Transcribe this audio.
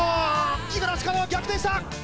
五十嵐カノア、逆転した。